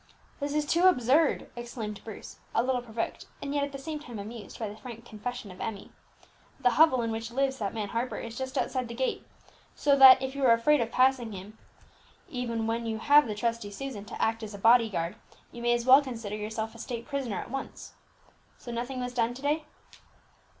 "This is too absurd!" exclaimed Bruce, a little provoked, and yet at the same time amused by the frank confession of Emmie. "The hovel in which lives that man Harper is just outside the gate, so that if you are afraid of passing him, even when you have the trusty Susan to act as a bodyguard, you may as well consider yourself a state prisoner at once. So nothing was done to day?"